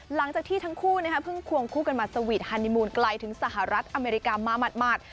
หลังจากที่ทั้งคู่เพิ่งควงคู่กันมาสวีทฮานิมูลไกลถึงสหรัฐอเมริกามาหมัด